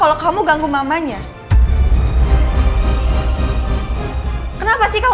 yandros aku baik baik aja